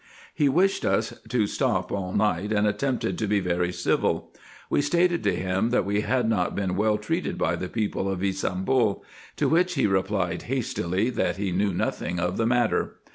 He wished us to stop all night, and attempted to be very civil. We stated to him, that we had not been well treated by the people of Ybsambul ; to which he replied, hastily, that he knew no thing of the matter.